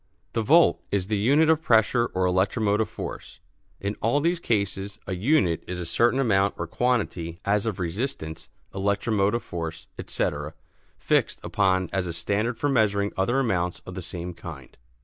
The volt is the unit of pressure or electromotive force. (In all these cases a "unit" is a certain amount or quantity as of resistance, electromotive force, etc. fixed upon as a standard for measuring other amounts of the same kind.)